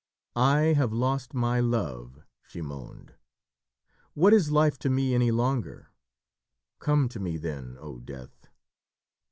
"I have lost my Love," she moaned. "What is Life to me any longer! Come to me then, O Death!"